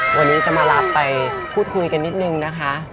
วันนี้จะมาลาไปพูดคุยกันนิดนึงนะคะ